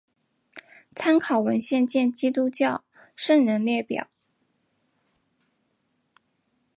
参考文献见基督教圣人列表。